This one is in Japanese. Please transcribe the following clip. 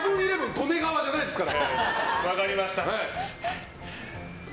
利根川じゃないですから。